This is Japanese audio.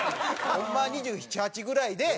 ホンマは２７２８ぐらいで。